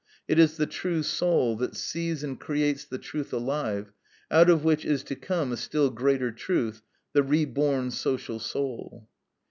It is the true soul that sees and creates the truth alive, out of which is to come a still greater truth, the re born social soul.